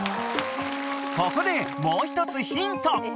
［ここでもう１つヒント］